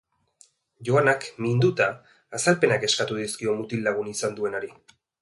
Joanak, minduta, azalpenak eskatuko dizkio mutil lagun izan duenari.